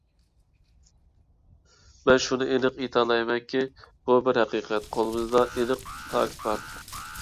مەن شۇنى ئېنىق ئېيتالايمەنكى، بۇ بىر ھەقىقەت. قولىمىزدا ئېنىق پاكىت بار.